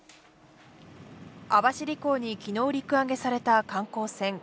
網走港にきのう陸揚げされた観光船